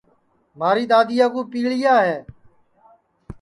مھاری دؔادؔیا کُو پیݪیا ہے